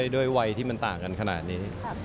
ด้วยวัยที่มันต่างกันขนาดนี้